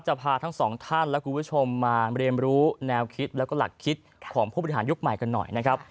พาทั้งสองท่านและคุณผู้ชมมาเรียนรู้แนวคิดแล้วก็หลักคิดของผู้บริหารยุคใหม่กันหน่อยนะครับ